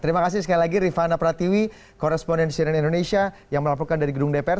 terima kasih sekali lagi rifana pratiwi korespondensi dari indonesia yang melaporkan dari gedung dpr